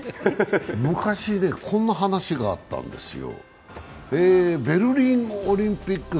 昔、こんな話が合ったんですよ。